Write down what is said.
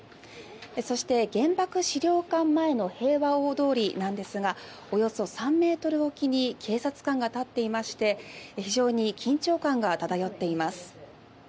そして、原爆資料館前の平和大通りなんですがおよそ３ｍ置きに警察官が立っていまして非常に緊張感が漂っています。